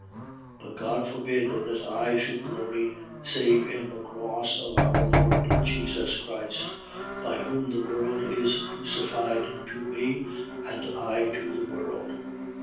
6:14. But God forbid that I should glory, save in the cross of our Lord Jesus Christ: by whom the world is crucified to me, and I to the world.